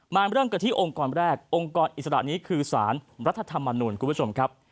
เริ่มกันที่องค์กรแรกองค์กรอิสระนี้คือสารรัฐธรรมนุนคุณผู้ชมครับ